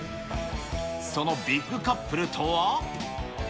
そのビッグカップルとは。